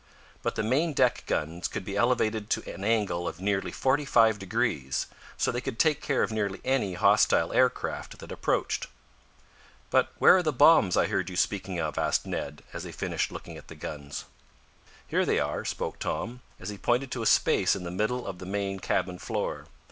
But the main deck guns could be elevated to an angle of nearly forty five degrees, so they could take care of nearly any hostile aircraft that approached. "But where are the bombs I heard you speaking of?" asked Ned, as they finished looking at the guns. "Here they are," spoke Tom, as he pointed to a space in the middle of the main cabin floor.